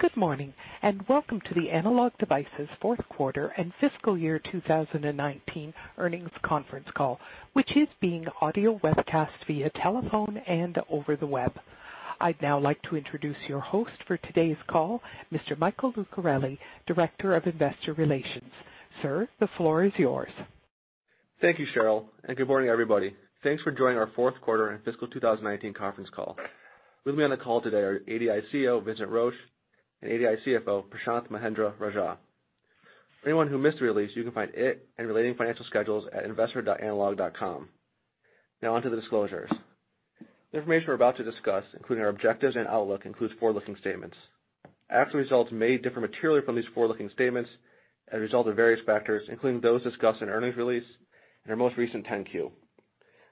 Good morning. Welcome to the Analog Devices fourth quarter and fiscal year 2019 earnings conference call, which is being audio webcast via telephone and over the web. I'd now like to introduce your host for today's call, Mr. Michael Lucarelli, Director of Investor Relations. Sir, the floor is yours. Thank you, Cheryl, good morning, everybody. Thanks for joining our fourth quarter and fiscal 2019 conference call. With me on the call today are ADI CEO, Vincent Roche, and ADI CFO, Prashanth Mahendra-Rajah. For anyone who missed the release, you can find it and relating financial schedules at investor.analog.com. Now on to the disclosures. The information we're about to discuss, including our objectives and outlook, includes forward-looking statements. Actual results may differ materially from these forward-looking statements as a result of various factors, including those discussed in our earnings release and our most recent 10-Q.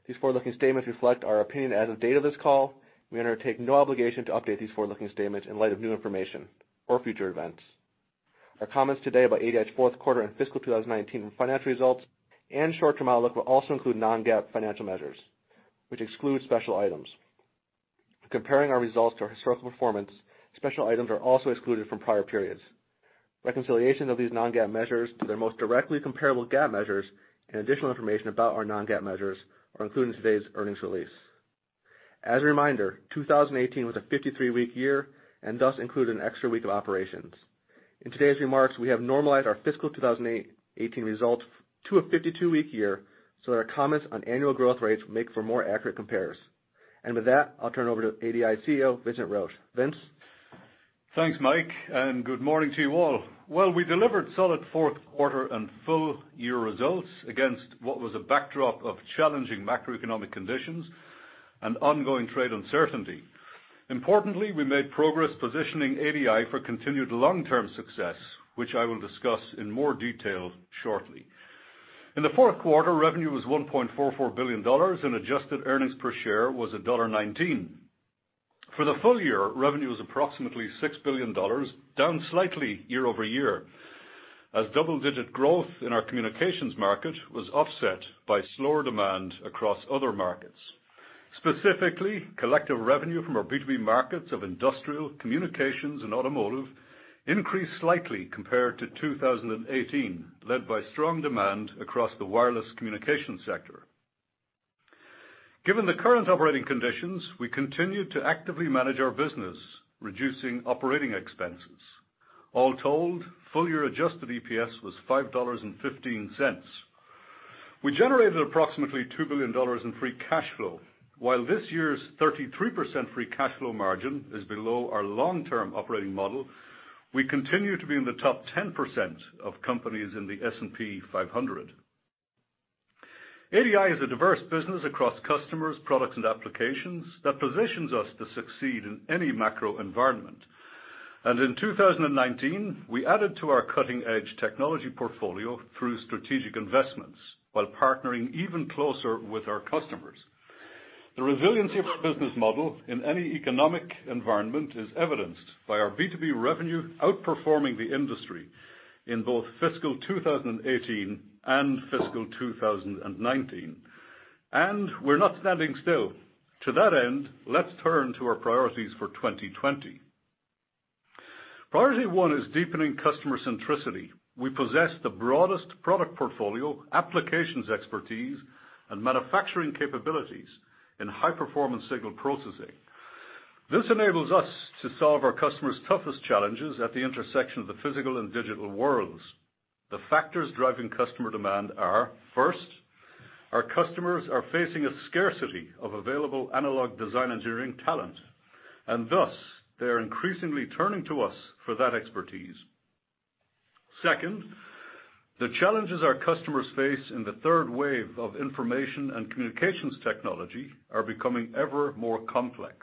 These forward-looking statements reflect our opinion as of date of this call. We undertake no obligation to update these forward-looking statements in light of new information or future events. Our comments today about ADI's fourth quarter and fiscal 2019 financial results and short-term outlook will also include non-GAAP financial measures, which exclude special items. When comparing our results to our historical performance, special items are also excluded from prior periods. Reconciliation of these non-GAAP measures to their most directly comparable GAAP measures and additional information about our non-GAAP measures are included in today's earnings release. As a reminder, 2018 was a 53-week year and thus included an extra week of operations. In today's remarks, we have normalized our fiscal 2018 results to a 52-week year so that our comments on annual growth rates make for more accurate compares. With that, I'll turn it over to ADI CEO, Vincent Roche. Vince? Thanks, Mike, and good morning to you all. Well, we delivered solid fourth quarter and full-year results against what was a backdrop of challenging macroeconomic conditions and ongoing trade uncertainty. Importantly, we made progress positioning ADI for continued long-term success, which I will discuss in more detail shortly. In the fourth quarter, revenue was $1.44 billion, and adjusted earnings per share was $1.19. For the full year, revenue was approximately $6 billion, down slightly year-over-year, as double-digit growth in our communications market was offset by slower demand across other markets. Specifically, collective revenue from our B2B markets of industrial, communications, and automotive increased slightly compared to 2018, led by strong demand across the wireless communications sector. Given the current operating conditions, we continued to actively manage our business, reducing operating expenses. All told, full-year adjusted EPS was $5.15. We generated approximately $2 billion in free cash flow. While this year's 33% free cash flow margin is below our long-term operating model, we continue to be in the top 10% of companies in the S&P 500. ADI is a diverse business across customers, products, and applications that positions us to succeed in any macro environment. In 2019, we added to our cutting-edge technology portfolio through strategic investments while partnering even closer with our customers. The resiliency of our business model in any economic environment is evidenced by our B2B revenue outperforming the industry in both fiscal 2018 and fiscal 2019. We're not standing still. To that end, let's turn to our priorities for 2020. Priority 1 is deepening customer centricity. We possess the broadest product portfolio, applications expertise, and manufacturing capabilities in high-performance signal processing. This enables us to solve our customers' toughest challenges at the intersection of the physical and digital worlds. The factors driving customer demand are, first, our customers are facing a scarcity of available analog design engineering talent, and thus, they're increasingly turning to us for that expertise. Second, the challenges our customers face in the third wave of information and communications technology are becoming ever more complex.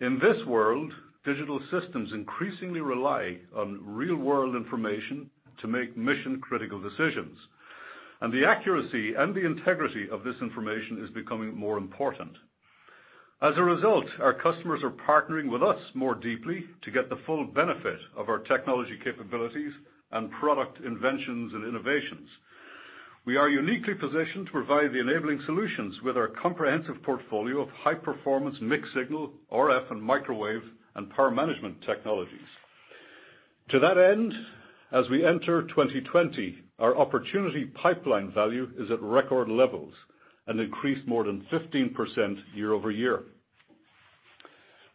In this world, digital systems increasingly rely on real-world information to make mission-critical decisions, and the accuracy and the integrity of this information is becoming more important. As a result, our customers are partnering with us more deeply to get the full benefit of our technology capabilities and product inventions and innovations. We are uniquely positioned to provide the enabling solutions with our comprehensive portfolio of high-performance mixed signal, RF and microwave, and power management technologies. To that end, as we enter 2020, our opportunity pipeline value is at record levels and increased more than 15% year-over-year.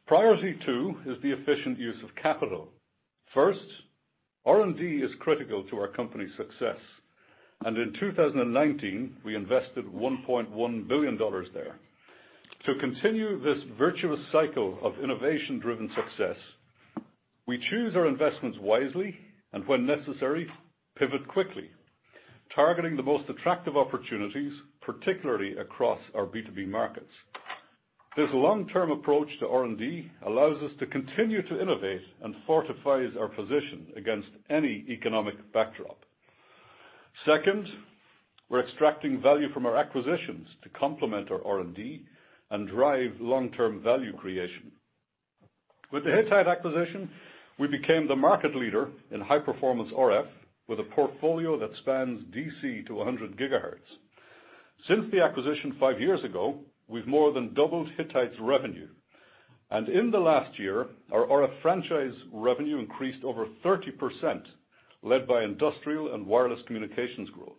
Priority two is the efficient use of capital. First, R&D is critical to our company's success, and in 2019, we invested $1.1 billion there. To continue this virtuous cycle of innovation-driven success, we choose our investments wisely, and when necessary, pivot quickly, targeting the most attractive opportunities, particularly across our B2B markets. This long-term approach to R&D allows us to continue to innovate and fortifies our position against any economic backdrop. Second, we're extracting value from our acquisitions to complement our R&D and drive long-term value creation. With the Hittite acquisition, we became the market leader in high-performance RF with a portfolio that spans DC to 100 GHz. Since the acquisition five years ago, we've more than doubled Hittite's revenue. In the last year, our RF franchise revenue increased over 30%, led by industrial and wireless communications growth.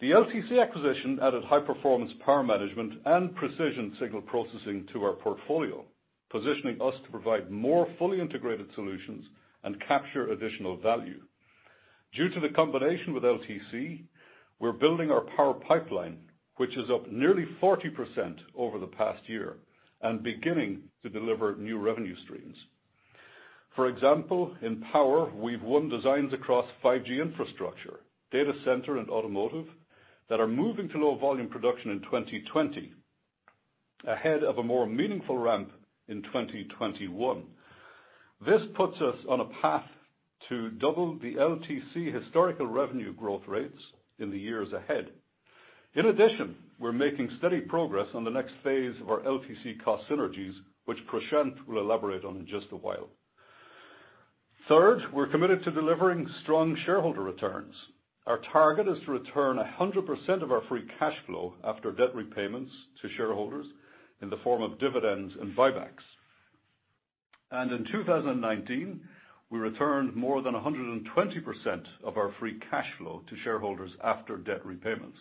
The LTC acquisition added high-performance power management and precision signal processing to our portfolio, positioning us to provide more fully integrated solutions and capture additional value. Due to the combination with LTC, we're building our power pipeline, which is up nearly 40% over the past year, and beginning to deliver new revenue streams. For example, in power, we've won designs across 5G infrastructure, data center, and automotive that are moving to low volume production in 2020, ahead of a more meaningful ramp in 2021. This puts us on a path to double the LTC historical revenue growth rates in the years ahead. In addition, we're making steady progress on the next phase of our LTC cost synergies, which Prashanth will elaborate on in just a while. Third, we're committed to delivering strong shareholder returns. Our target is to return 100% of our free cash flow after debt repayments to shareholders in the form of dividends and buybacks. In 2019, we returned more than 120% of our free cash flow to shareholders after debt repayments.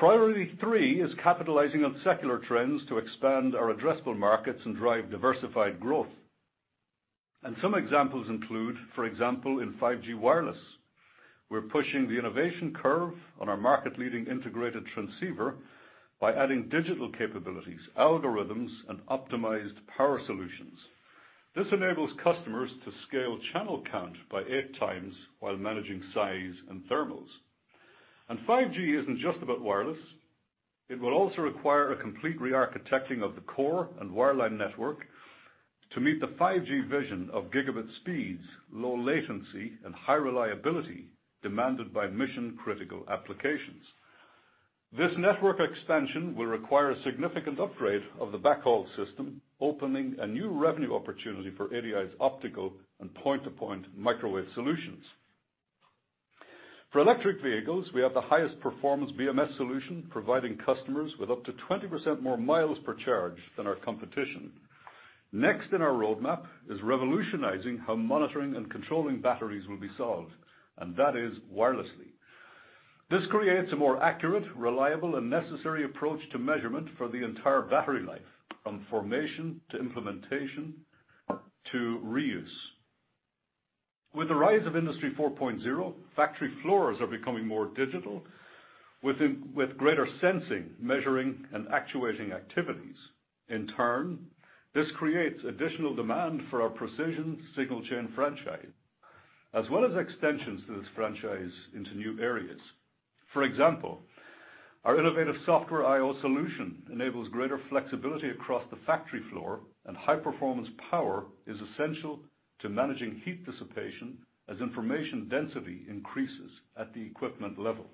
Priority three is capitalizing on secular trends to expand our addressable markets and drive diversified growth. Some examples include, for example, in 5G wireless, we're pushing the innovation curve on our market-leading integrated transceiver by adding digital capabilities, algorithms, and optimized power solutions. This enables customers to scale channel count by eight times while managing size and thermals. 5G isn't just about wireless. It will also require a complete re-architecting of the core and wireline network to meet the 5G vision of gigabit speeds, low latency, and high reliability demanded by mission-critical applications. This network expansion will require a significant upgrade of the backhaul system, opening a new revenue opportunity for ADI's optical and point-to-point microwave solutions. For electric vehicles, we have the highest performance BMS solution, providing customers with up to 20% more miles per charge than our competition. Next in our roadmap is revolutionizing how monitoring and controlling batteries will be solved, that is wirelessly. This creates a more accurate, reliable, and necessary approach to measurement for the entire battery life, from formation to implementation, to reuse. With the rise of Industry 4.0, factory floors are becoming more digital with greater sensing, measuring, and actuating activities. In turn, this creates additional demand for our precision signal chain franchise, as well as extensions to this franchise into new areas. For example, our innovative software-configurable I/O solution enables greater flexibility across the factory floor. High-performance power is essential to managing heat dissipation as information density increases at the equipment level.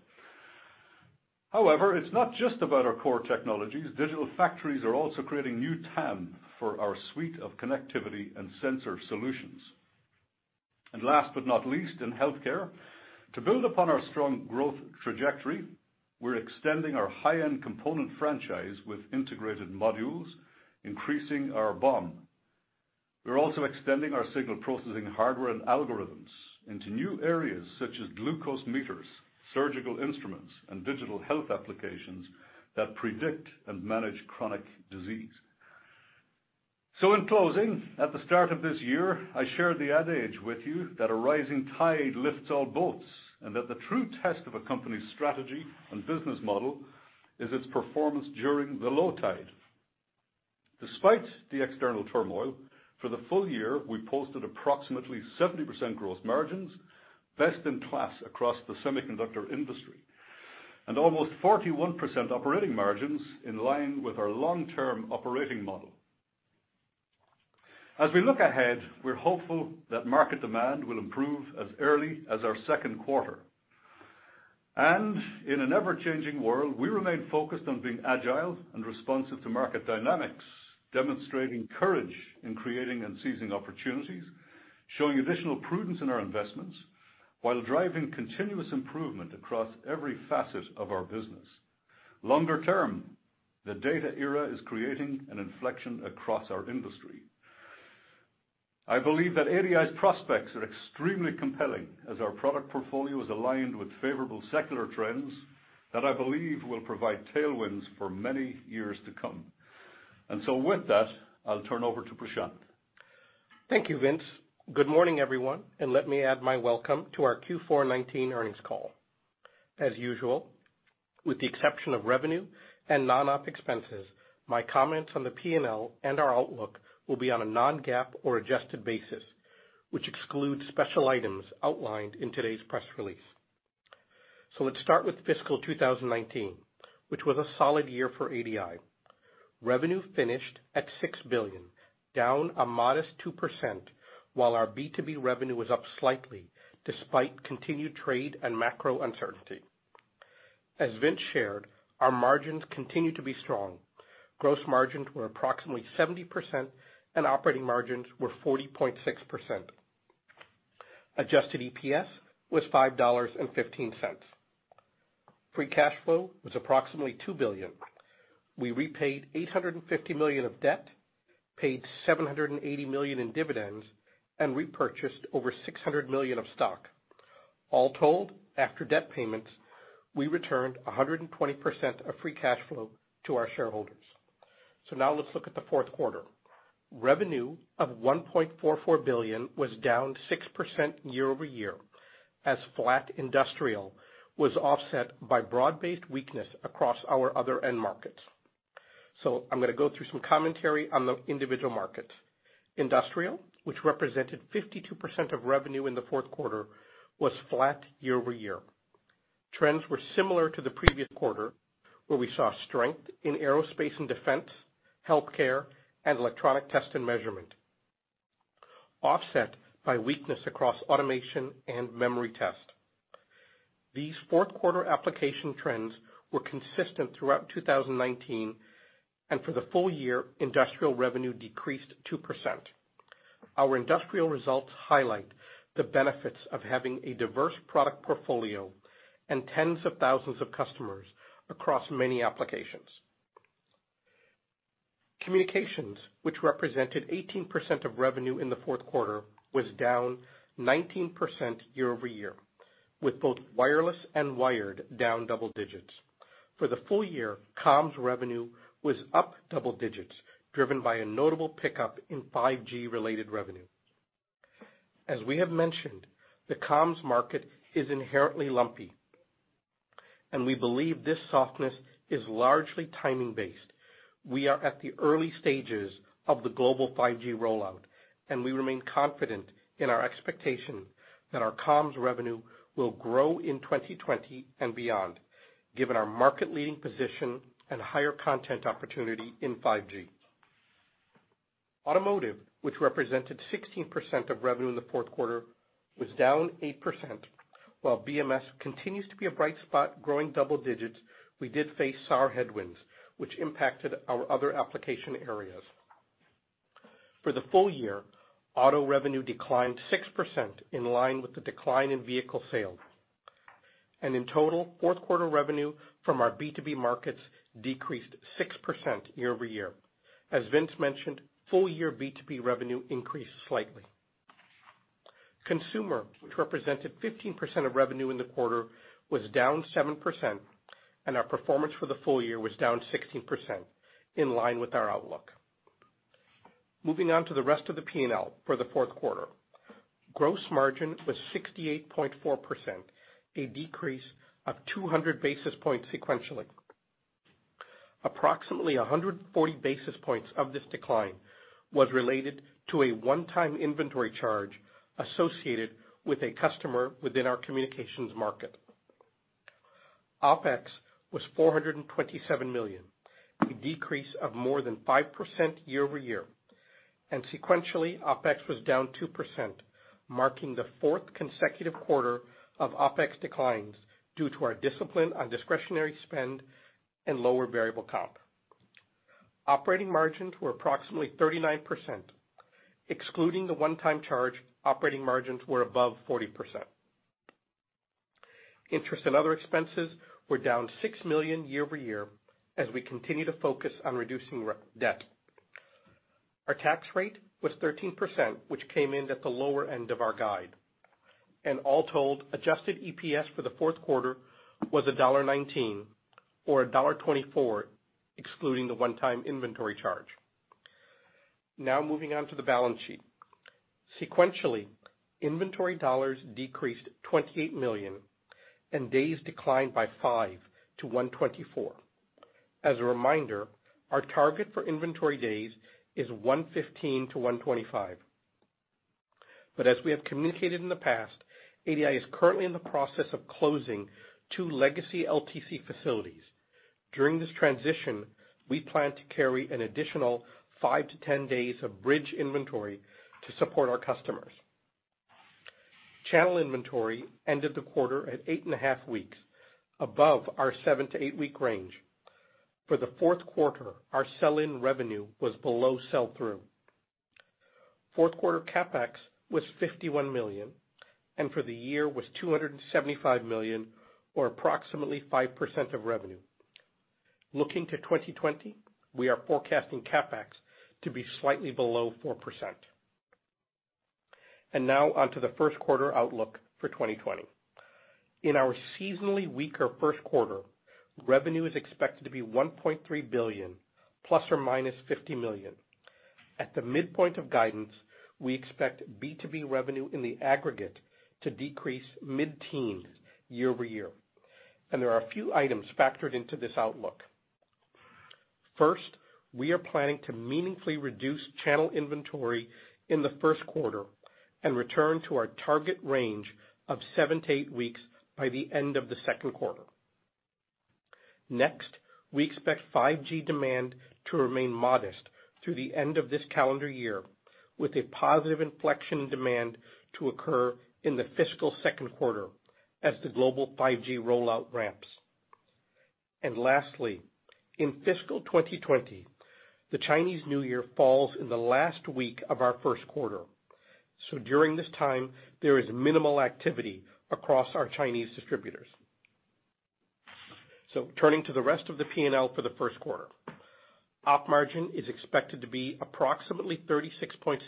However, it's not just about our core technologies. Digital factories are also creating new TAM for our suite of connectivity and sensor solutions. Last but not least, in healthcare, to build upon our strong growth trajectory, we're extending our high-end component franchise with integrated modules, increasing our BOM. We're also extending our signal processing hardware and algorithms into new areas such as glucose meters, surgical instruments, and digital health applications that predict and manage chronic disease. In closing, at the start of this year, I shared the adage with you that a rising tide lifts all boats, and that the true test of a company's strategy and business model is its performance during the low tide. Despite the external turmoil, for the full year, we posted approximately 70% gross margins, best in class across the semiconductor industry, and almost 41% operating margins in line with our long-term operating model. As we look ahead, we're hopeful that market demand will improve as early as our second quarter. In an ever-changing world, we remain focused on being agile and responsive to market dynamics, demonstrating courage in creating and seizing opportunities, showing additional prudence in our investments while driving continuous improvement across every facet of our business. Longer term, the data era is creating an inflection across our industry. I believe that ADI's prospects are extremely compelling as our product portfolio is aligned with favorable secular trends that I believe will provide tailwinds for many years to come. With that, I'll turn over to Prashanth. Thank you, Vince. Good morning, everyone. Let me add my welcome to our Q4 2019 earnings call. As usual, with the exception of revenue and non-OpEx, my comments on the P&L and our outlook will be on a non-GAAP or adjusted basis, which excludes special items outlined in today's press release. Let's start with fiscal 2019, which was a solid year for ADI. Revenue finished at $6 billion, down a modest 2%, while our B2B revenue was up slightly despite continued trade and macro uncertainty. As Vince shared, our margins continued to be strong. Gross margins were approximately 70% and operating margins were 40.6%. Adjusted EPS was $5.15. Free cash flow was approximately $2 billion. We repaid $850 million of debt, paid $780 million in dividends, and repurchased over $600 million of stock. All told, after debt payments, we returned 120% of free cash flow to our shareholders. Now let's look at the fourth quarter. Revenue of $1.44 billion was down 6% year-over-year, as flat Industrial was offset by broad-based weakness across our other end markets. I'm going to go through some commentary on the individual markets. Industrial, which represented 52% of revenue in the fourth quarter, was flat year-over-year. Trends were similar to the previous quarter, where we saw strength in aerospace and defense, healthcare, and electronic test and measurement, offset by weakness across automation and memory test. These fourth quarter application trends were consistent throughout 2019, and for the full year, Industrial revenue decreased 2%. Our Industrial results highlight the benefits of having a diverse product portfolio and tens of thousands of customers across many applications. Communications, which represented 18% of revenue in the fourth quarter, was down 19% year-over-year, with both wireless and wired down double digits. For the full year, comms revenue was up double digits, driven by a notable pickup in 5G-related revenue. As we have mentioned, the comms market is inherently lumpy. We believe this softness is largely timing based. We are at the early stages of the global 5G rollout. We remain confident in our expectation that our comms revenue will grow in 2020 and beyond, given our market leading position and higher content opportunity in 5G. Automotive, which represented 16% of revenue in the fourth quarter, was down 8%. While BMS continues to be a bright spot growing double digits, we did face SAAR headwinds, which impacted our other application areas. For the full year, auto revenue declined 6%, in line with the decline in vehicle sales. In total, fourth quarter revenue from our B2B markets decreased 6% year-over-year. As Vince mentioned, full year B2B revenue increased slightly. Consumer, which represented 15% of revenue in the quarter, was down 7%, and our performance for the full year was down 16%, in line with our outlook. Moving on to the rest of the P&L for the fourth quarter. Gross margin was 68.4%, a decrease of 200 basis points sequentially. Approximately 140 basis points of this decline was related to a one-time inventory charge associated with a customer within our communications market. OpEx was $427 million, a decrease of more than 5% year-over-year. Sequentially, OpEx was down 2%, marking the fourth consecutive quarter of OpEx declines due to our discipline on discretionary spend and lower variable comp. Operating margins were approximately 39%. Excluding the one-time charge, operating margins were above 40%. Interest and other expenses were down $6 million year-over-year, as we continue to focus on reducing debt. Our tax rate was 13%, which came in at the lower end of our guide. All told, adjusted EPS for the fourth quarter was $1.19, or $1.24, excluding the one-time inventory charge. Moving on to the balance sheet. Sequentially, inventory dollars decreased $28 million and days declined by 5 to 124. As a reminder, our target for inventory days is 115-125. As we have communicated in the past, ADI is currently in the process of closing 2 legacy LTC facilities. During this transition, we plan to carry an additional 5-10 days of bridge inventory to support our customers. Channel inventory ended the quarter at 8.5 weeks, above our 7-8-week range. For the fourth quarter, our sell-in revenue was below sell-through. Fourth quarter CapEx was $51 million, and for the year was $275 million, or approximately 5% of revenue. Looking to 2020, we are forecasting CapEx to be slightly below 4%. Now on to the first quarter outlook for 2020. In our seasonally weaker first quarter, revenue is expected to be $1.3 billion ± $50 million. At the midpoint of guidance, we expect B2B revenue in the aggregate to decrease mid-teen year-over-year. There are a few items factored into this outlook. First, we are planning to meaningfully reduce channel inventory in the first quarter and return to our target range of seven to eight weeks by the end of the second quarter. We expect 5G demand to remain modest through the end of this calendar year, with a positive inflection demand to occur in the fiscal second quarter as the global 5G rollout ramps. Lastly, in fiscal 2020, the Chinese New Year falls in the last week of our first quarter. During this time, there is minimal activity across our Chinese distributors. Turning to the rest of the P&L for the first quarter. Op margin is expected to be approximately 36.7%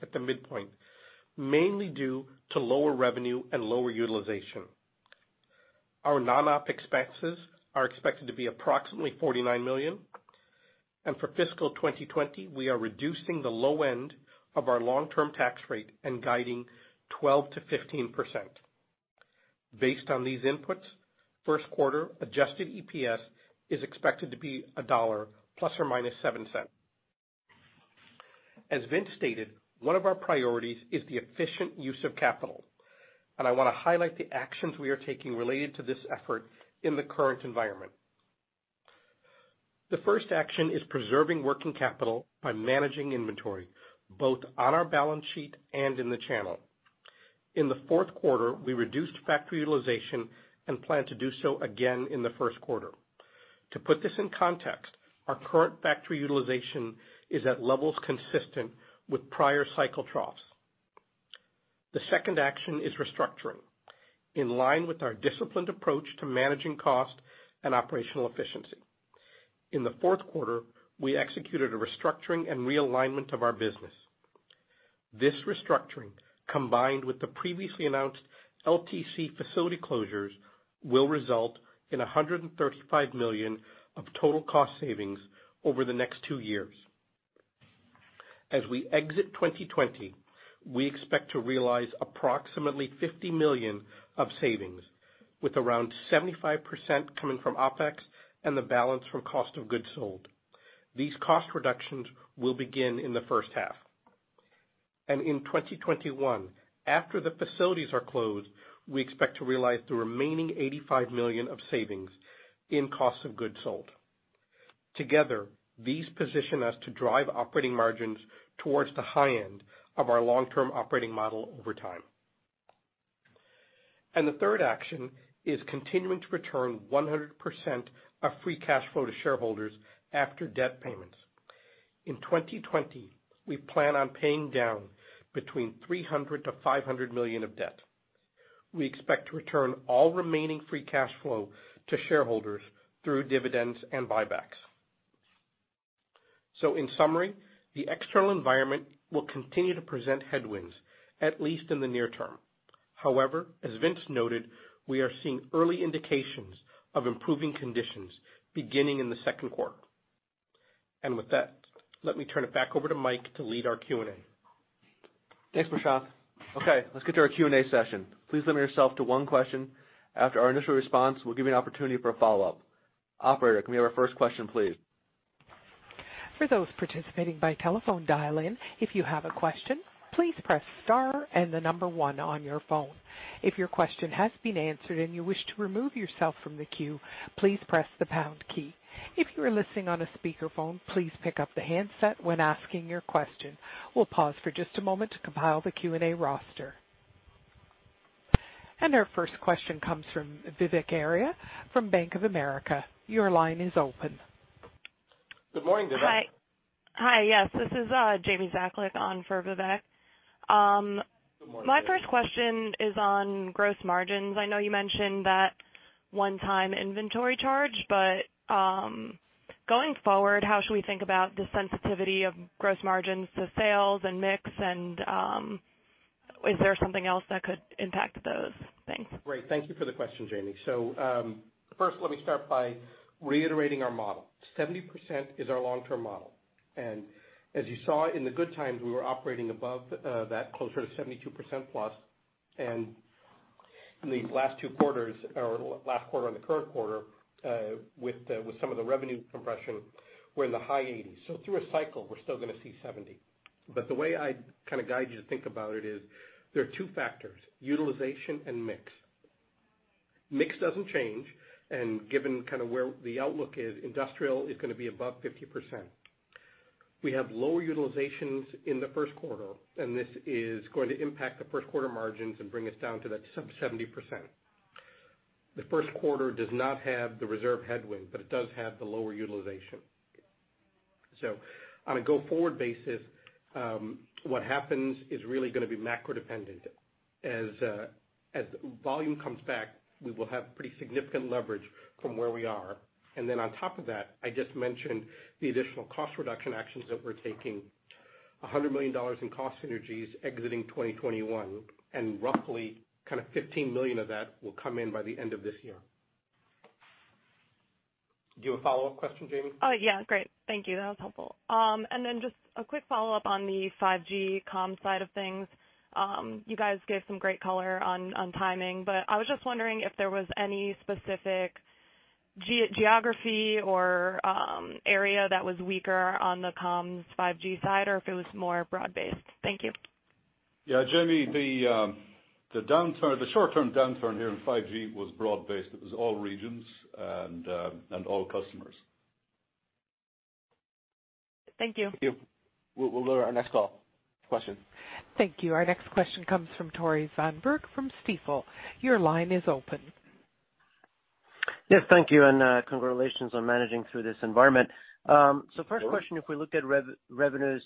at the midpoint, mainly due to lower revenue and lower utilization. Our non-op expenses are expected to be approximately $49 million. For fiscal 2020, we are reducing the low end of our long-term tax rate and guiding 12%-15%. Based on these inputs, first quarter adjusted EPS is expected to be $1.00 ± $0.07. As Vince stated, one of our priorities is the efficient use of capital. I want to highlight the actions we are taking related to this effort in the current environment. The first action is preserving working capital by managing inventory, both on our balance sheet and in the channel. In the fourth quarter, we reduced factory utilization and plan to do so again in the first quarter. To put this in context, our current factory utilization is at levels consistent with prior cycle troughs. The second action is restructuring, in line with our disciplined approach to managing cost and operational efficiency. In the fourth quarter, we executed a restructuring and realignment of our business. This restructuring, combined with the previously announced LTC facility closures, will result in $135 million of total cost savings over the next two years. As we exit 2020, we expect to realize approximately $50 million of savings, with around 75% coming from OpEx and the balance from cost of goods sold. These cost reductions will begin in the first half. In 2021, after the facilities are closed, we expect to realize the remaining $85 million of savings in cost of goods sold. Together, these position us to drive operating margins towards the high end of our long-term operating model over time. The third action is continuing to return 100% of free cash flow to shareholders after debt payments. In 2020, we plan on paying down between $300 million-$500 million of debt. We expect to return all remaining free cash flow to shareholders through dividends and buybacks. In summary, the external environment will continue to present headwinds, at least in the near term. As Vince noted, we are seeing early indications of improving conditions beginning in the second quarter. With that, let me turn it back over to Mike to lead our Q&A. Thanks, Prashanth. Okay, let's get to our Q&A session. Please limit yourself to one question. After our initial response, we'll give you an opportunity for a follow-up. Operator, can we have our first question, please? For those participating by telephone dial-in, if you have a question, please press star and 1 on your phone. If your question has been answered and you wish to remove yourself from the queue, please press the pound key. If you are listening on a speakerphone, please pick up the handset when asking your question. We'll pause for just a moment to compile the Q&A roster. Our first question comes from Vivek Arya from Bank of America. Your line is open. Good morning, Vivek. Hi. Yes, this is Jamie Zakalik on for Vivek. Good morning, Jamie. My first question is on gross margins. I know you mentioned that one-time inventory charge, but going forward, how should we think about the sensitivity of gross margins to sales and mix, and is there something else that could impact those things? Great. Thank you for the question, Jamie. First, let me start by reiterating our model. 70% is our long-term model. As you saw in the good times, we were operating above that, closer to 72%+. In the last quarter and the current quarter, with some of the revenue compression, we're in the high 80s. Through a cycle, we're still going to see 70%. The way I'd kind of guide you to think about it is there are two factors, utilization and mix. Mix doesn't change, and given kind of where the outlook is, industrial is going to be above 50%. We have lower utilizations in the first quarter, and this is going to impact the first quarter margins and bring us down to that sub 70%. The first quarter does not have the reserve headwind, but it does have the lower utilization. On a go-forward basis, what happens is really going to be macro dependent. As volume comes back, we will have pretty significant leverage from where we are. Then on top of that, I just mentioned the additional cost reduction actions that we're taking, $100 million in cost synergies exiting 2021, and roughly $15 million of that will come in by the end of this year. Do you have a follow-up question, Jamie? Yeah. Great. Thank you. That was helpful. Just a quick follow-up on the 5G comms side of things. You guys gave some great color on timing, but I was just wondering if there was any specific geography or area that was weaker on the comms 5G side, or if it was more broad-based. Thank you. Yeah, Jamie, the short-term downturn here in 5G was broad based. It was all regions and all customers. Thank you. Thank you. We'll go to our next call question. Thank you. Our next question comes from Tore Svanberg from Stifel. Your line is open. Yes. Thank you, and congratulations on managing through this environment. First question, if we look at revenues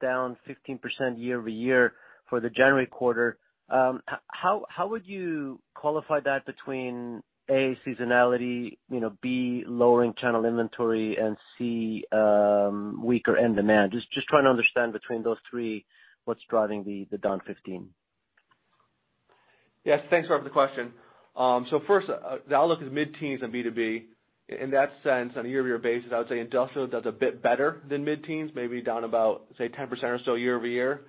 down 15% year-over-year for the January quarter, how would you qualify that between, A, seasonality, B, lowering channel inventory, and C, weaker end demand? Just trying to understand between those three, what's driving the down 15%. Thanks for the question. First, the outlook is mid-teens in B2B. In that sense, on a year-over-year basis, I would say industrial does a bit better than mid-teens, maybe down about, say, 10% or so year-over-year.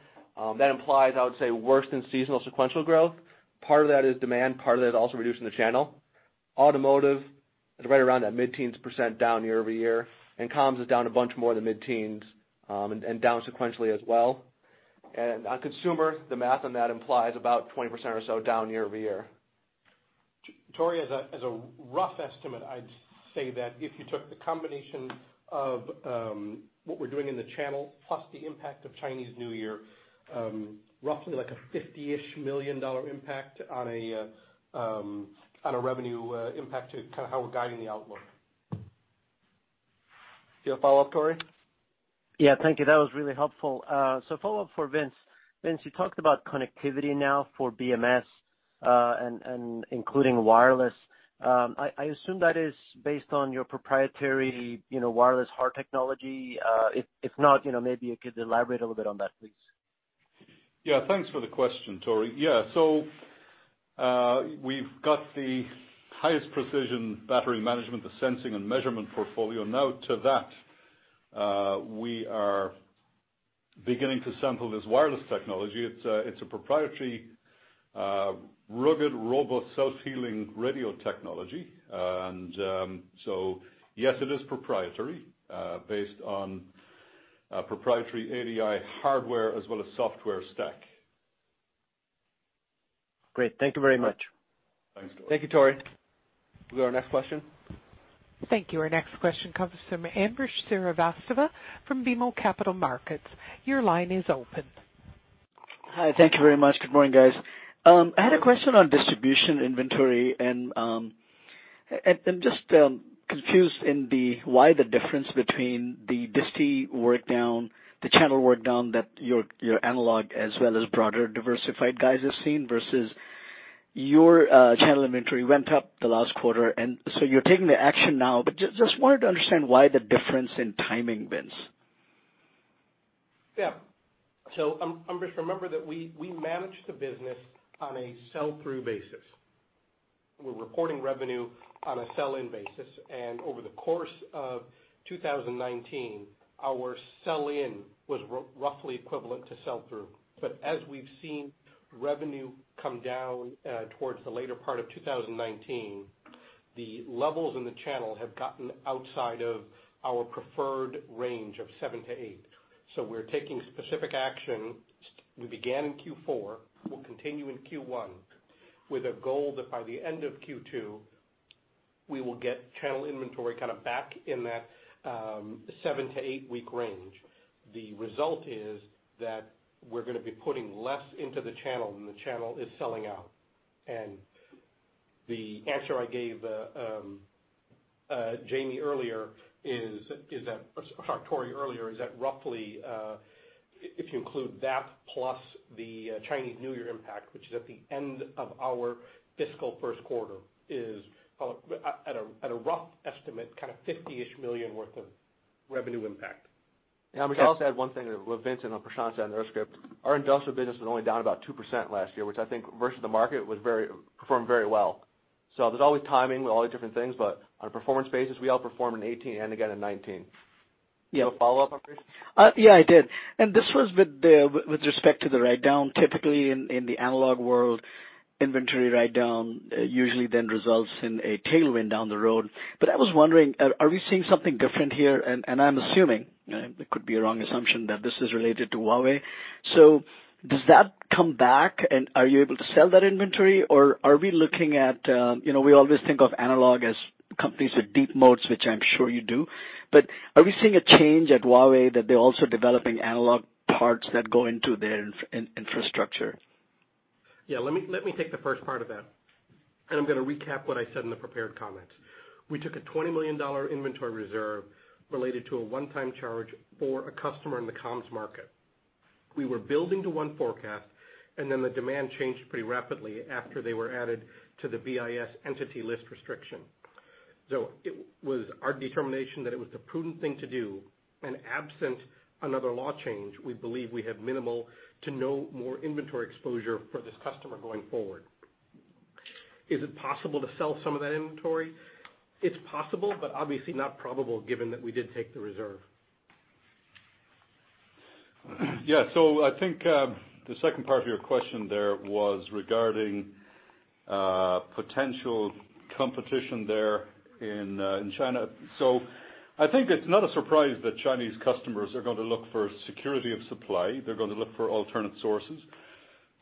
That implies, I would say, worse than seasonal sequential growth. Part of that is demand. Part of that is also reducing the channel. Automotive is right around that mid-teens % down year-over-year, and comms is down a bunch more than mid-teens, and down sequentially as well. On consumer, the math on that implies about 20% or so down year-over-year. Tore, as a rough estimate, I'd say that if you took the combination of what we're doing in the channel plus the impact of Chinese New Year, roughly like a $50-ish million impact on a revenue impact to kind of how we're guiding the outlook. Do you have a follow-up, Tore? Yeah, thank you. That was really helpful. Follow-up for Vince. Vince, you talked about connectivity now for BMS, and including wireless. I assume that is based on your proprietary WirelessHART technology. If not, maybe you could elaborate a little bit on that, please. Thanks for the question, Tore. We've got the highest precision battery management, the sensing and measurement portfolio. To that, we are beginning to sample this wireless technology. It's a proprietary, rugged, robust, self-healing radio technology. Yes, it is proprietary, based on proprietary ADI hardware as well as software stack. Great. Thank you very much. Thanks, Tore. Thank you, Tore. We'll go to our next question. Thank you. Our next question comes from Ambrish Srivastava from BMO Capital Markets. Your line is open. Hi. Thank you very much. Good morning, guys. I had a question on distribution inventory, and I'm just confused in why the difference between the disti work down, the channel work down that your analog as well as broader diversified guys have seen, versus your channel inventory went up the last quarter. You're taking the action now, but just wanted to understand why the difference in timing, Vince. Yeah. Ambrish, remember that we manage the business on a sell-through basis. We're reporting revenue on a sell-in basis, and over the course of 2019, our sell-in was roughly equivalent to sell-through. As we've seen revenue come down towards the later part of 2019, the levels in the channel have gotten outside of our preferred range of seven to eight. We're taking specific action. We began in Q4. We'll continue in Q1 with a goal that by the end of Q2, we will get channel inventory kind of back in that seven- to eight-week range. The result is that we're going to be putting less into the channel, and the channel is selling out. The answer I gave Tore earlier is that roughly, if you include that plus the Chinese New Year impact, which is at the end of our fiscal first quarter, is at a rough estimate, kind of $50-ish million worth of revenue impact. Yeah. Ambrish, I'll just add one thing with Vince and Prashanth said in their script. Our industrial business was only down about 2% last year, which I think versus the market performed very well. There's always timing with all the different things. On a performance basis, we outperformed in 2018 and again in 2019. Do you have a follow-up, Ambrish? Yeah, I did. This was with respect to the write-down. Typically, in the analog world, inventory write-down usually results in a tailwind down the road. I was wondering, are we seeing something different here? I'm assuming, it could be a wrong assumption, that this is related to Huawei. Does that come back, and are you able to sell that inventory? Are we looking at, we always think of analog as companies with deep moats, which I'm sure you do, but are we seeing a change at Huawei that they're also developing analog parts that go into their infrastructure? Yeah, let me take the first part of that, and I'm going to recap what I said in the prepared comments. We took a $20 million inventory reserve related to a one-time charge for a customer in the comms market. We were building to one forecast, and then the demand changed pretty rapidly after they were added to the BIS entity list restriction. It was our determination that it was the prudent thing to do, and absent another law change, we believe we have minimal to no more inventory exposure for this customer going forward. Is it possible to sell some of that inventory? It's possible, but obviously not probable given that we did take the reserve. Yeah. I think the second part of your question there was regarding potential competition there in China. I think it's not a surprise that Chinese customers are going to look for security of supply. They're going to look for alternate sources.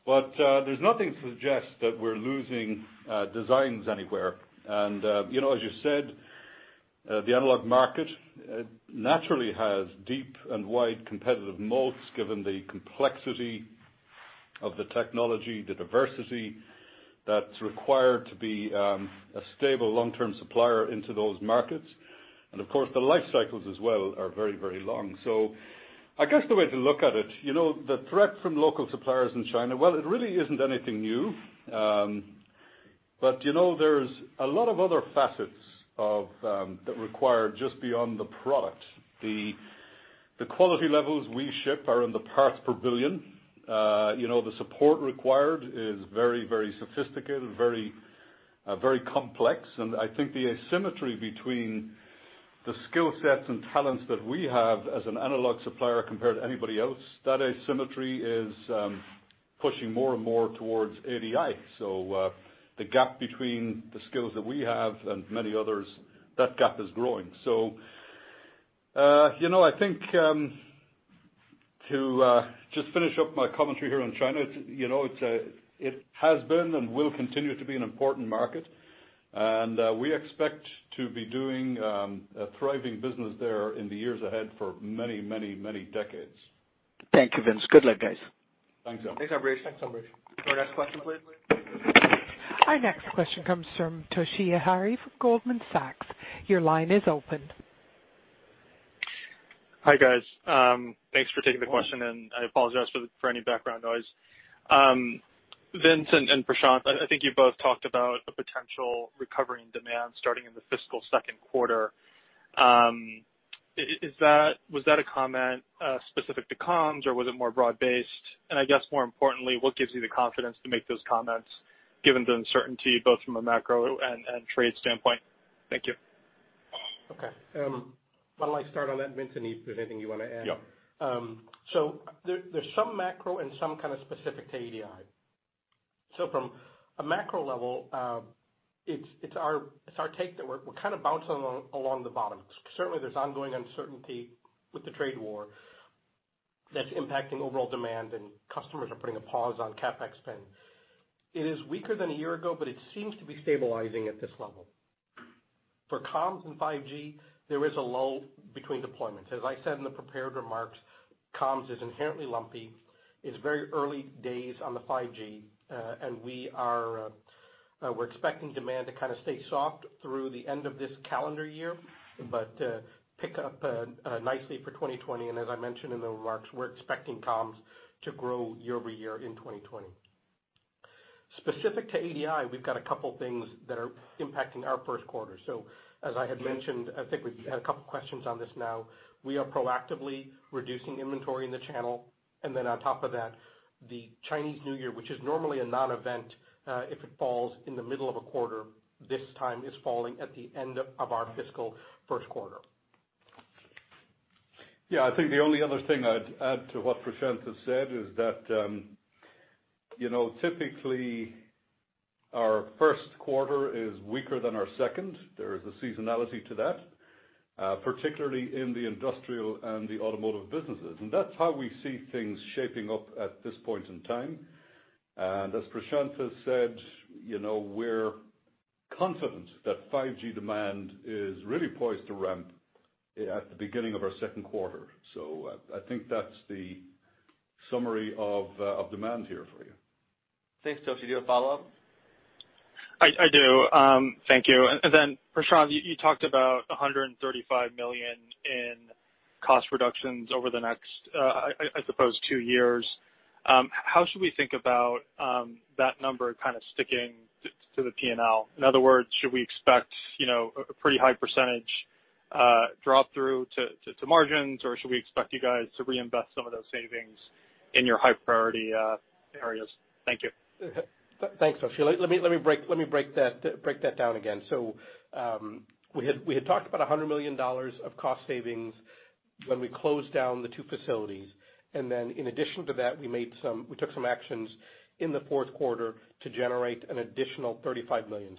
There's nothing to suggest that we're losing designs anywhere. As you said, the analog market naturally has deep and wide competitive moats given the complexity of the technology, the diversity that's required to be a stable long-term supplier into those markets. Of course, the life cycles as well are very long. I guess the way to look at it, the threat from local suppliers in China, well, it really isn't anything new. There's a lot of other facets that require just beyond the product. The quality levels we ship are in the parts per billion. The support required is very sophisticated, very complex. I think the asymmetry between the skill sets and talents that we have as an analog supplier compared to anybody else, that asymmetry is pushing more and more towards ADI. The gap between the skills that we have and many others, that gap is growing. I think to just finish up my commentary here on China, it has been and will continue to be an important market, and we expect to be doing a thriving business there in the years ahead for many, many, many decades. Thank you, Vince. Good luck, guys. Thanks. Thanks, Ambrish. Thanks, Ambrish. Our next question, please. Our next question comes from Toshiya Hari from Goldman Sachs. Your line is open. Hi, guys. Thanks for taking the question, and I apologize for any background noise. Vince and Prashanth, I think you both talked about a potential recovery in demand starting in the fiscal second quarter. Was that a comment specific to comms or was it more broad-based? I guess more importantly, what gives you the confidence to make those comments given the uncertainty both from a macro and trade standpoint? Thank you. Okay. Why don't I start on that, Vince, and if there's anything you want to add. Yeah. There's some macro and some kind of specific to ADI. From a macro level, it's our take that we're kind of bouncing along the bottom. Certainly, there's ongoing uncertainty with the trade war that's impacting overall demand, and customers are putting a pause on CapEx spend. It is weaker than a year ago, but it seems to be stabilizing at this level. For comms and 5G, there is a lull between deployments. As I said in the prepared remarks, comms is inherently lumpy. It's very early days on the 5G. We're expecting demand to kind of stay soft through the end of this calendar year, but pick up nicely for 2020. As I mentioned in the remarks, we're expecting comms to grow year-over-year in 2020. Specific to ADI, we've got a couple things that are impacting our first quarter. As I had mentioned, I think we've had a couple questions on this now. We are proactively reducing inventory in the channel. On top of that, the Chinese New Year, which is normally a non-event if it falls in the middle of a quarter, this time is falling at the end of our fiscal first quarter. Yeah, I think the only other thing I'd add to what Prashanth has said is that, typically our first quarter is weaker than our second. There is a seasonality to that, particularly in the industrial and the automotive businesses. That's how we see things shaping up at this point in time. As Prashanth has said, we're confident that 5G demand is really poised to ramp at the beginning of our second quarter. I think that's the summary of demand here for you. Thanks, Toshi. Do you have follow-up? I do. Thank you. Then Prashanth, you talked about $135 million in cost reductions over the next, I suppose two years. How should we think about that number kind of sticking to the P&L? In other words, should we expect a pretty high percentage drop through to margins, or should we expect you guys to reinvest some of those savings in your high priority areas? Thank you. Thanks, Toshi. Let me break that down again. We had talked about $100 million of cost savings when we closed down the two facilities. In addition to that, we took some actions in the fourth quarter to generate an additional $35 million.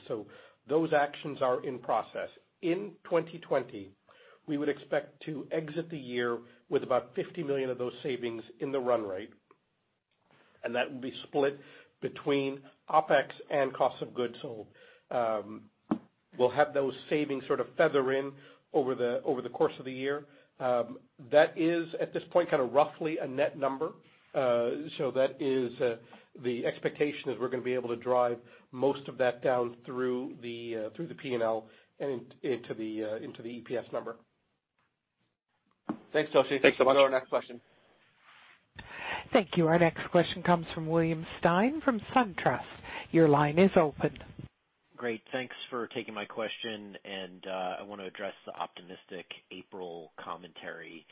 Those actions are in process. In 2020, we would expect to exit the year with about $50 million of those savings in the run rate. That will be split between OpEx and cost of goods sold. We'll have those savings sort of feather in over the course of the year. That is, at this point, kind of roughly a net number. That is the expectation that we're going to be able to drive most of that down through the P&L and into the EPS number. Thanks, Toshi. Thanks so much. Let's go to our next question. Thank you. Our next question comes from William Stein from SunTrust. Your line is open. Great. Thanks for taking my question. I want to address the optimistic April commentary.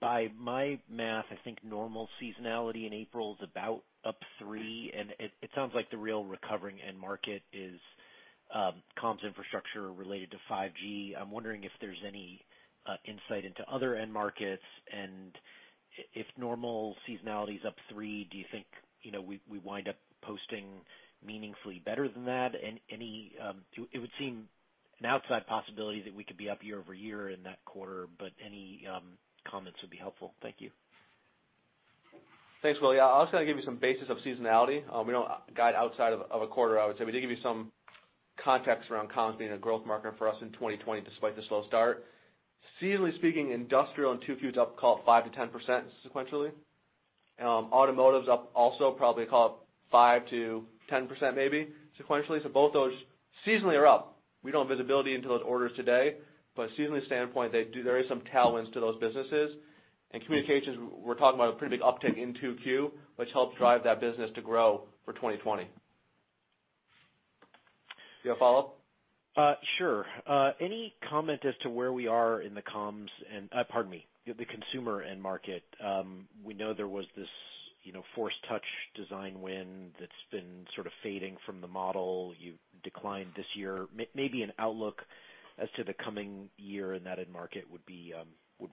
By my math, I think normal seasonality in April is about up three, and it sounds like the real recovering end market is comms infrastructure related to 5G. I'm wondering if there's any insight into other end markets, and if normal seasonality is up three, do you think we wind up posting meaningfully better than that? It would seem an outside possibility that we could be up year-over-year in that quarter, but any comments would be helpful. Thank you. Thanks, Will. I was going to give you some basis of seasonality. We don't guide outside of a quarter, I would say, but to give you some context around comms being a growth market for us in 2020, despite the slow start. Seasonally speaking, industrial and 2Q is up, call it 5%-10% sequentially. Automotive's up also probably, call it 5%-10% maybe sequentially. Both those seasonally are up. We don't have visibility into those orders today, but from a seasonally standpoint, there is some tailwinds to those businesses. Communications, we're talking about a pretty big uptick in 2Q, which helps drive that business to grow for 2020. Do you have a follow-up? Sure. Any comment as to where we are in the comms and-- pardon me, the consumer end market? We know there was this Force Touch design win that's been sort of fading from the model you declined this year. Maybe an outlook as to the coming year in that end market would be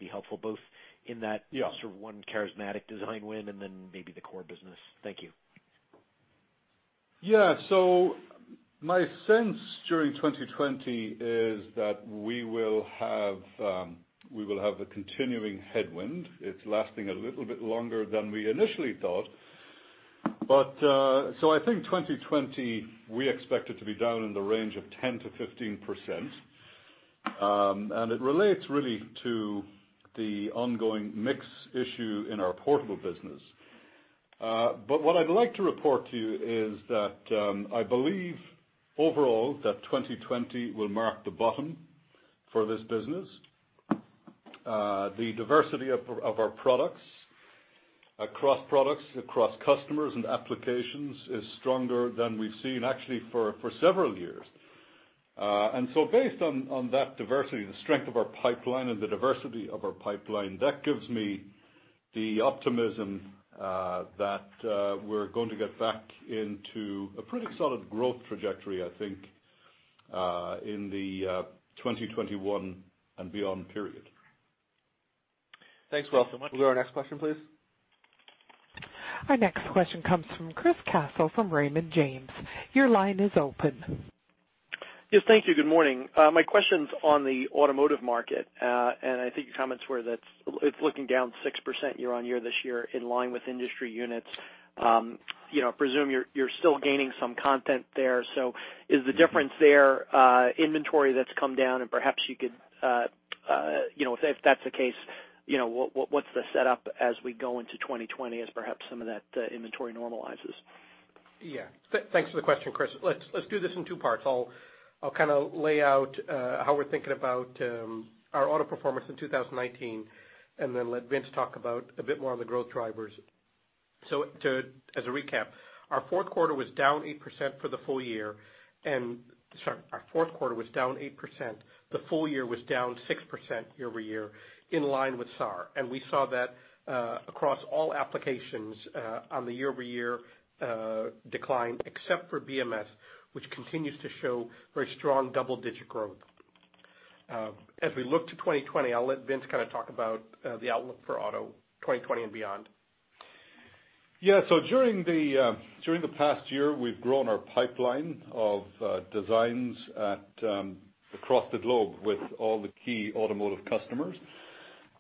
helpful, both in that sort of one charismatic design win and then maybe the core business. Thank you. Yeah. My sense during 2020 is that we will have a continuing headwind. It's lasting a little bit longer than we initially thought. I think 2020, we expect it to be down in the range of 10%-15%, and it relates really to the ongoing mix issue in our portable business. What I'd like to report to you is that I believe overall that 2020 will mark the bottom for this business. The diversity of our products across products, across customers and applications is stronger than we've seen actually for several years. Based on that diversity, the strength of our pipeline and the diversity of our pipeline, that gives me the optimism that we're going to get back into a pretty solid growth trajectory, I think, in the 2021 and beyond period. Thanks, Will. Thank you so much. We'll go to our next question, please. Our next question comes from Chris Caso from Raymond James. Your line is open. Yes. Thank you. Good morning. My question's on the automotive market. I think your comments were that it's looking down 6% year-on-year this year in line with industry units. I presume you're still gaining some content there. Is the difference there inventory that's come down? Perhaps you could, if that's the case, what's the setup as we go into 2020 as perhaps some of that inventory normalizes? Yeah. Thanks for the question, Chris. Let's do this in two parts. I'll kind of lay out how we're thinking about our auto performance in 2019, and then let Vince talk about a bit more on the growth drivers. As a recap, our fourth quarter was down 8%, the full year was down 6% year-over-year, in line with SAAR. We saw that across all applications on the year-over-year decline, except for BMS, which continues to show very strong double-digit growth. As we look to 2020, I'll let Vince kind of talk about the outlook for auto 2020 and beyond. Yeah. During the past year, we've grown our pipeline of designs across the globe with all the key automotive customers.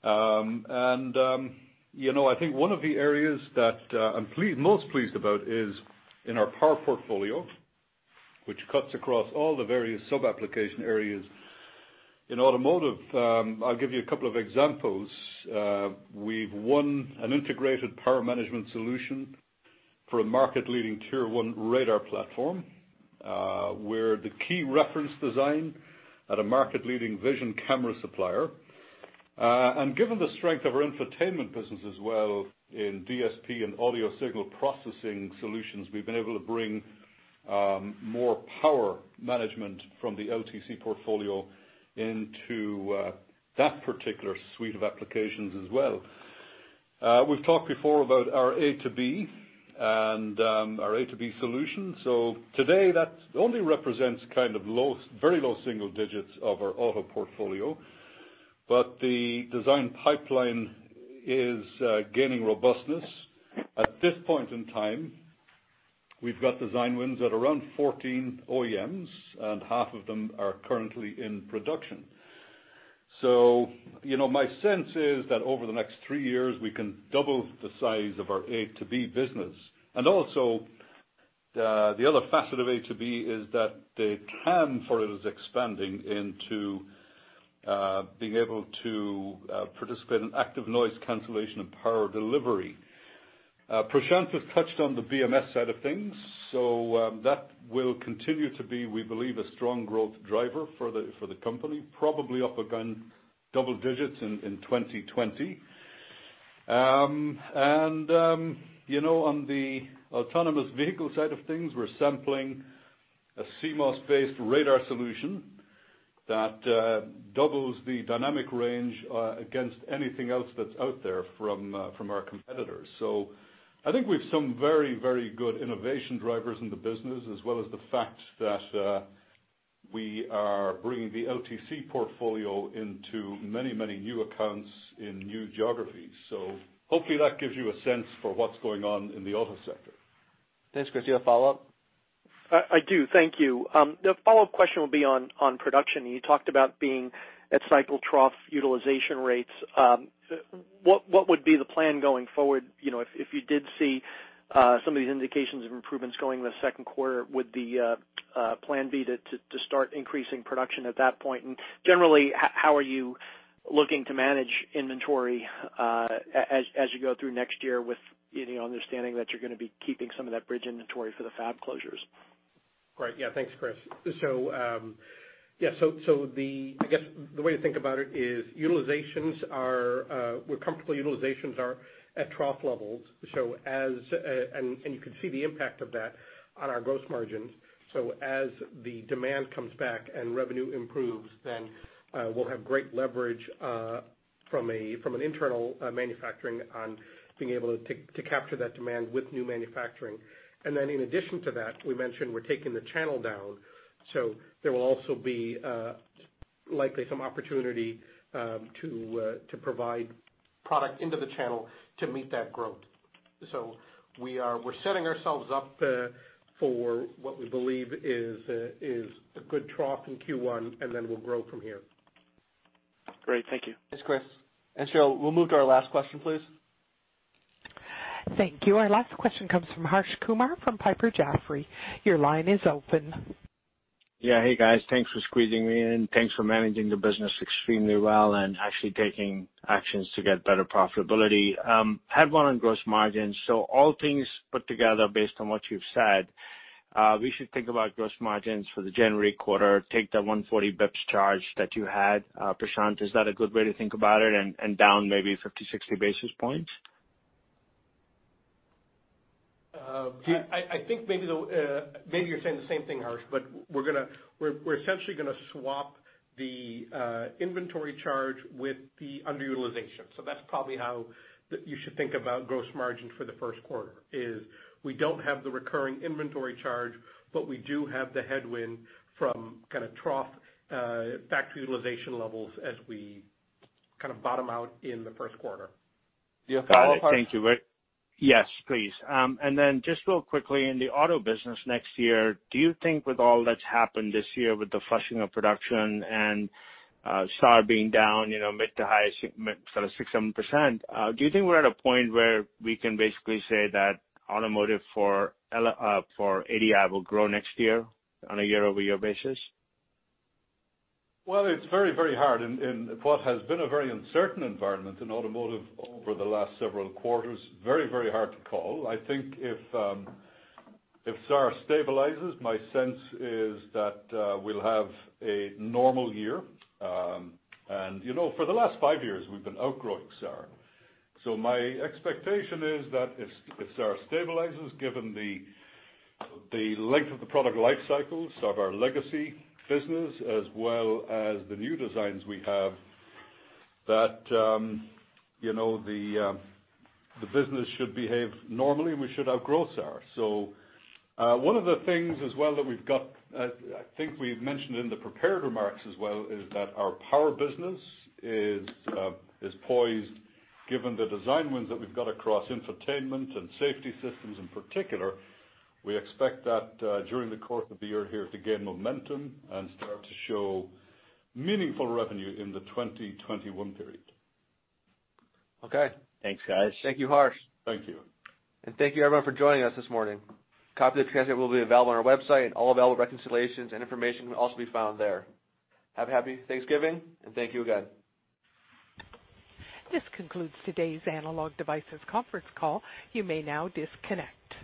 I think one of the areas that I'm most pleased about is in our power portfolio, which cuts across all the various sub-application areas in automotive. I'll give you a couple of examples. We've won an integrated power management solution for a market-leading tier 1 radar platform. We're the key reference design at a market-leading vision camera supplier. Given the strength of our infotainment business as well in DSP and audio signal processing solutions, we've been able to bring more power management from the LTC portfolio into that particular suite of applications as well. We've talked before about our A2B solutions. Today, that only represents kind of very low single digits of our auto portfolio. The design pipeline is gaining robustness. At this point in time, we've got design wins at around 14 OEMs, half of them are currently in production. My sense is that over the next three years, we can double the size of our A2B business. Also, the other facet of A2B is that the TAM for it is expanding into being able to participate in active noise cancellation and power delivery. Prashanth has touched on the BMS side of things. That will continue to be, we believe, a strong growth driver for the company, probably up again double digits in 2020. On the autonomous vehicle side of things, we're sampling a CMOS-based radar solution that doubles the dynamic range against anything else that's out there from our competitors. I think we've some very good innovation drivers in the business, as well as the fact that we are bringing the LTC portfolio into many new accounts in new geographies. Hopefully that gives you a sense for what's going on in the auto sector. Thanks, Chris. Do you have follow-up? I do. Thank you. The follow-up question will be on production. You talked about being at cycle trough utilization rates. What would be the plan going forward if you did see some of these indications of improvements going the second quarter? Would the plan be to start increasing production at that point? Generally, how are you looking to manage inventory as you go through next year with the understanding that you're going to be keeping some of that bridge inventory for the fab closures? Great. Yeah. Thanks, Chris. I guess the way to think about it is we're comfortable utilizations are at trough levels, and you can see the impact of that on our gross margins. As the demand comes back and revenue improves, then we'll have great leverage from an internal manufacturing on being able to capture that demand with new manufacturing. In addition to that, we mentioned we're taking the channel down, so there will also be likely some opportunity to provide product into the channel to meet that growth. We're setting ourselves up for what we believe is a good trough in Q1, and then we'll grow from here. Great. Thank you. Thanks, Chris. Cheryl, we'll move to our last question, please. Thank you. Our last question comes from Harsh Kumar from Piper Jaffray. Your line is open. Yeah. Hey, guys. Thanks for squeezing me in. Thanks for managing the business extremely well and actually taking actions to get better profitability. Head one on gross margins. All things put together based on what you've said, we should think about gross margins for the January quarter, take the 140 basis points charge that you had. Prashanth, is that a good way to think about it and down maybe 50, 60 basis points? I think maybe you're saying the same thing, Harsh, we're essentially going to swap the inventory charge with the underutilization. That's probably how you should think about gross margin for the first quarter, is we don't have the recurring inventory charge, we do have the headwind from kind of trough factory utilization levels as we kind of bottom out in the first quarter. Do you have a follow-up, Harsh? Got it. Thank you. Yes, please. Just real quickly, in the auto business next year, do you think with all that's happened this year with the flushing of production and SAAR being down mid to high, sort of 6%-7%, do you think we're at a point where we can basically say that automotive for ADI will grow next year on a year-over-year basis? It's very hard in what has been a very uncertain environment in automotive over the last several quarters. Very hard to call. I think if SAAR stabilizes, my sense is that we'll have a normal year. For the last five years, we've been outgrowing SAAR. My expectation is that if SAAR stabilizes, given the length of the product life cycles of our legacy business as well as the new designs we have, that the business should behave normally, and we should outgrow SAAR. One of the things as well that we've got, I think we've mentioned in the prepared remarks as well, is that our power business is poised given the design wins that we've got across infotainment and safety systems in particular. We expect that during the course of the year here to gain momentum and start to show meaningful revenue in the 2021 period. Okay. Thanks, guys. Thank you, Harsh. Thank you. Thank you, everyone, for joining us this morning. Copy of the transcript will be available on our website. All available reconciliations and information can also be found there. Have a happy Thanksgiving. Thank you again. This concludes today's Analog Devices conference call. You may now disconnect.